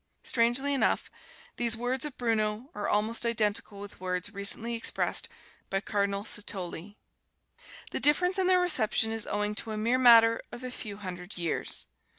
Strangely enough, these words of Bruno are almost identical with words recently expressed by Cardinal Satolli. The difference in their reception is owing to a mere matter of a few hundred years.